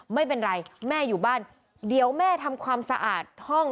ไม่เป็นไรแม่อยู่บ้านเดี๋ยวแม่ทำความสะอาดห้อง